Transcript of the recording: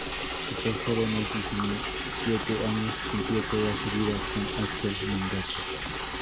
Aquel joven de diecisiete años cumplió toda su vida con aquel mandato.